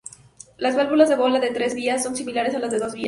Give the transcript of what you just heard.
Las válvulas de bola de tres vías son similares a las de dos vías.